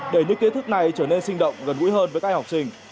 để những kiến thức này trở nên sinh động gần gũi hơn với các em học sinh